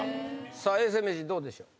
さあ永世名人どうでしょう？